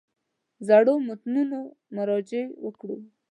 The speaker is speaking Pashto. زړو متنونو مراجعې وکړو.